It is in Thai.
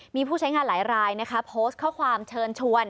มีผู้ใช้งานหลายรายนะคะโพสต์ข้อความเชิญชวน